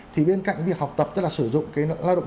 thì bên cạnh việc học tập tức là sử dụng cái lao động